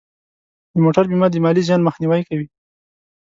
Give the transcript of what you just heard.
د موټر بیمه د مالی زیان مخنیوی کوي.